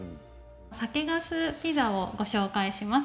酒かすピザをご紹介します。